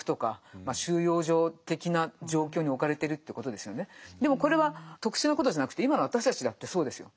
まあ要するにでもこれは特殊なことじゃなくて今の私たちだってそうですよ。